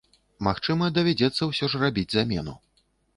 Магчыма, давядзецца ўсё ж рабіць замену.